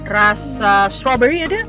rasa strawberry ada